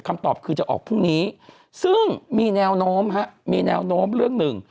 คำตอบคือจะออกพรุ่งนี้ซึ่งมีแนวโน้มเรื่องหนึ่ง